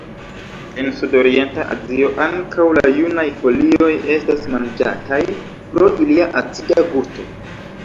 En sudorienta Azio ankaŭ la junaj folioj estas manĝataj pro ilia acida gusto.